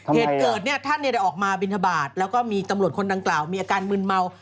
เหตุเกิดเนี่ยท่านได้ออกมาบินทบาทแล้วก็มีตำรวจคนดังกล่าวมีอาการมืนเมา